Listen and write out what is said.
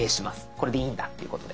「これでいいんだ」っていうことで。